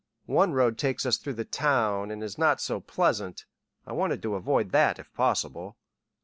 One road takes us through the town and is not so pleasant. I wanted to avoid that if possible."